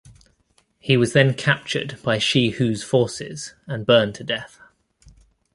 He was then captured by Shi Hu's forces and burned to death.